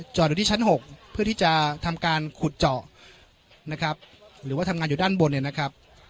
อยู่ที่ชั้น๖เพื่อที่จะทำการขุดเจาะนะครับหรือว่าทำงานอยู่ด้านบนเนี่ยนะครับ